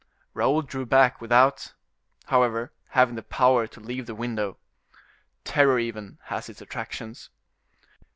Raoul drew back, without, however, having the power to leave the window. Terror even has its attractions.